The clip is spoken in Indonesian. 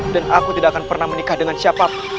dan aku tidak akan pernah menikah dengan siapa